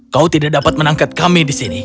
kau tidak dapat menangkap kami di sini